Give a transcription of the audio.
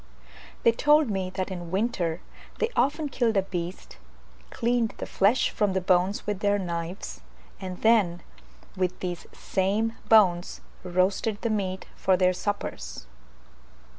They told me that in winter they often killed a beast, cleaned the flesh from the bones with their knives, and then with these same bones roasted the meat for their suppers.